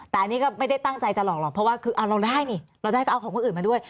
แต่อันนี้ก็ไม่ได้ตั้งใจจะหลอกหรอกเพราะว่าคือเราได้นี่เราได้ก็เอาของคนอื่นมาด้วย